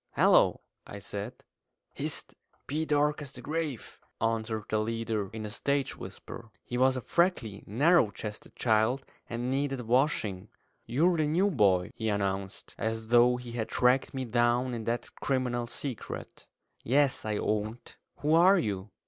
"Hallo!" said I. "Hist! Be dark as the grave!" answered the leader, in a stage whisper. He was a freckly, narrow chested child, and needed washing. "You're the new boy," he announced, as though he had tracked me down in that criminal secret. "Yes," I owned. "Who are you?"